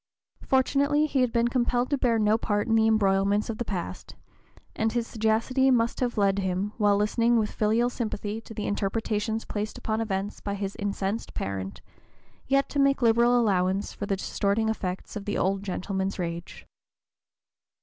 Fortunately he had been compelled to bear no part in the embroilments of the past, and his sagacity must have led him, while listening with filial sympathy to the interpretations placed upon events by his incensed parent, yet to make liberal allowance for the distorting effects (p. 028) of the old gentleman's rage.